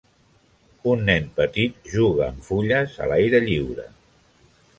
Un nen petit juga amb fulles a l'aire lliure.